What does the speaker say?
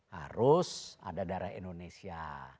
harus ada darah indonesia